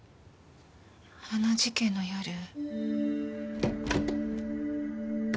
あの事件の夜。